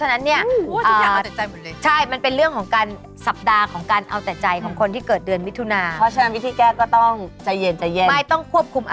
ให้ช่วงช่วงนี้นะแค่๗วันเอง